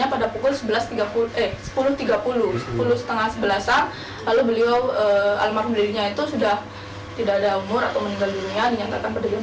pada pukul sepuluh tiga puluh sepuluh tiga puluh sebelas almarhum deddy sudah tidak ada umur atau meninggal dulunya dinyatakan pada jam sebelas